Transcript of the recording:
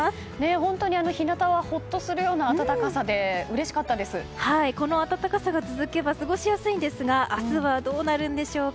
本当に日なたはほっとするような暖かさでこの暖かさが続けば過ごしやすいんですが明日はどうなるんでしょうか。